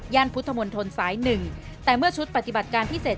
พุทธมนตรสายหนึ่งแต่เมื่อชุดปฏิบัติการพิเศษ